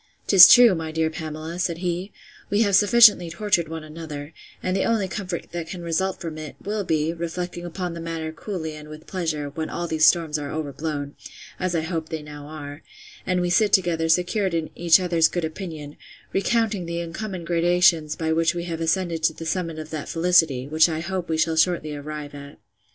'Tis true, my dear Pamela, said he, we have sufficiently tortured one another; and the only comfort that can result from it, will be, reflecting upon the matter coolly and with pleasure, when all these storms are overblown, (as I hope they now are,) and we sit together secured in each other's good opinion, recounting the uncommon gradations by which we have ascended to the summit of that felicity, which I hope we shall shortly arrive at.